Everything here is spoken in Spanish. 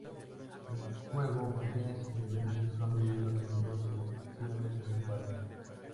El juego contiene siete niveles que son divididos en dos secciones principales.